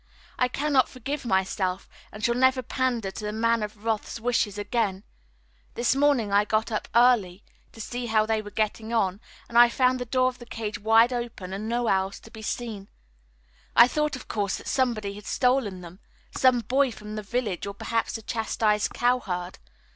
I cannot forgive myself, and shall never pander to the Man of Wrath's wishes again. This morning I got up early to see how they were getting on, and I found the door of the cage wide open and no owls to be seen. I thought of course that somebody had stolen them some boy from the village, or perhaps the chastised cowherd.